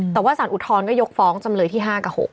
แต่ว่าสารอุทธรณ์ก็ยกฟ้องจำเลยที่๕กับ๖